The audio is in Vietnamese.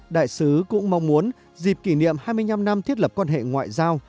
đại sứ cũng mong muốn dịp kỷ niệm hai mươi năm năm thiết lập quan hệ ngoại giao